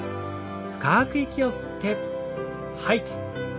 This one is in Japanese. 深く息を吸って吐いて。